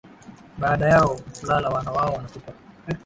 Baada yao kulala, wana wao wanatupa,